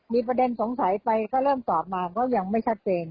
มีประเด็นสงสัยไปก็เริ่มตอบมาก็ยังไม่ชัดเจน